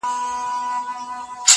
• اورېدل باندي لوټونه غیرانونه -